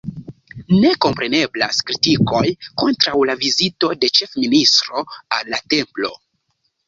Ne kompreneblas kritikoj kontraŭ la vizito de ĉefministro al la templo.